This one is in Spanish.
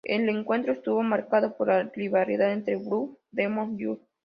El encuentro estuvo marcado por la rivalidad entre Blue Demon Jr.